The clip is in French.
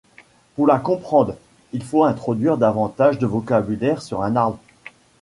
Pour la comprendre, il faut introduire davantage de vocabulaire sur un arbre.